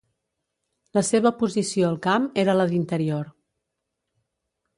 La seva posició al camp era la d'interior.